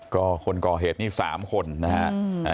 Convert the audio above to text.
ก็คนก่อเหตุนี้๓คนนะฮะ